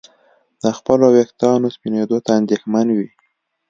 د خپلو ویښتانو سپینېدو ته اندېښمن وي.